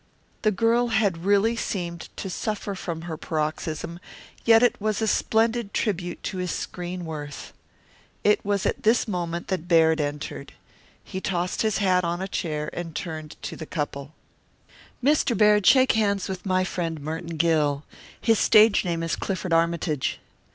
The girl had really seemed to suffer from her paroxysm, yet it was a splendid tribute to his screen worth. It was at this moment that Baird entered. He tossed his hat on a chair and turned to the couple. "Mr. Baird, shake hands with my friend Merton Gill. His stage name is Clifford Armytage."